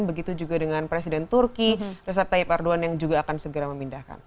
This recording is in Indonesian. begitu juga dengan presiden turki reset tayyip erdogan yang juga akan segera memindahkan